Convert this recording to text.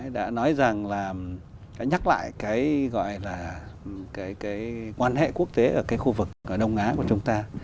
đã nói rằng là nhắc lại cái gọi là cái quan hệ quốc tế ở cái khu vực ở đông á của chúng ta